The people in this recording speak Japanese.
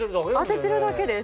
当ててるだけです。